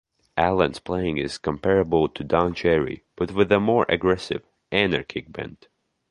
Alan's playing is comparable to Don Cherry, but with a more aggressive, anarchic bent.